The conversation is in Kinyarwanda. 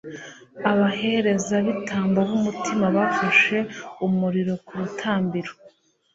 abaherezabitambo b'umutima bafashe umuriro ku rutambiro